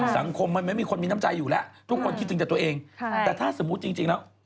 สังคมมันไม่มีคนมีน้ำใจอยู่แล้วทุกคนคิดถึงแต่ตัวเองแต่ถ้าสมมุติจริงแล้ว